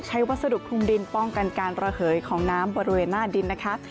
วัสดุคลุมดินป้องกันการระเหยของน้ำบริเวณหน้าดินนะคะ